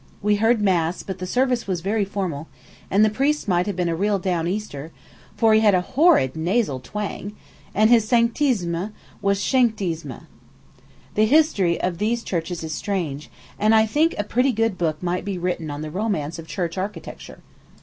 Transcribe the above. We heard mass, but the service was very formal, and the priest might have been a real downeaster, for he had a horrid nasal twang, and his "sanctissime" was "shanktissime." The history of these churches is strange, and I think a pretty good book might be written on the romance of church architecture.